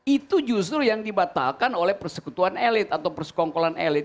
itu justru yang dibatalkan oleh persekutuan elit atau persekongkolan elit